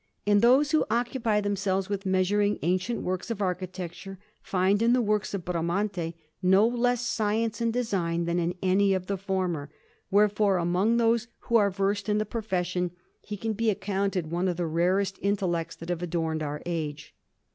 And those who occupy themselves with measuring ancient works of architecture, find in the works of Bramante no less science and design than in any of the former; wherefore, among those who are versed in the profession, he can be accounted one of the rarest intellects that have adorned our age.